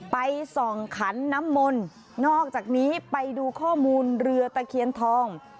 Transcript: ไปส่องขันน้ำมนต์นอกจากนี้ไปดูข้อมูลเรือตะเคียนทอง